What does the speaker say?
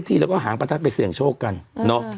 ทีแล้วก็หางประทัดไปเสี่ยงโชคกันเนอะ